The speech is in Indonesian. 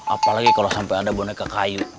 apalagi kalau sampai ada boneka kayu